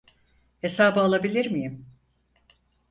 Hesabı alabilir miyim?